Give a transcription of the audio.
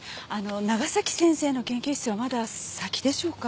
長崎先生の研究室はまだ先でしょうか？